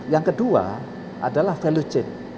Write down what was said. yang kedua adalah value chain